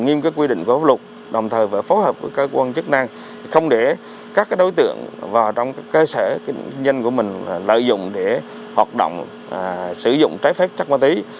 nghiêm các quy định của luật đồng thời phải phối hợp với cơ quan chức năng không để các đối tượng vào trong cơ sở kinh doanh của mình lợi dụng để hoạt động sử dụng trái phép chất ma túy